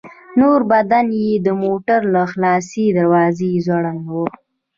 نور بدن يې د موټر له خلاصې دروازې ځوړند و.